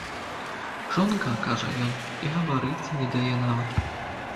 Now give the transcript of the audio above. Жонка, кажа ён, і гаварыцца не дае нават.